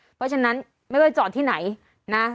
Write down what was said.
เพราะฉะนั้นไม่ว่าจอดที่ไหนนะ